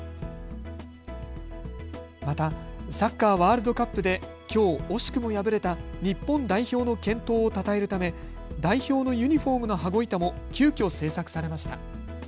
またサッカーワールドカップできょう惜しくも敗れた日本代表の健闘をたたえるため代表のユニフォームの羽子板も急きょ制作されました。